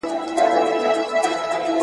هم مو ځان هم مو ټبر دی په وژلی !.